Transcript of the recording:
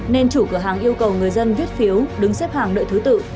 nên chủ cửa hàng yêu cầu người dân viết phiếu đứng xếp hàng đợi thứ tự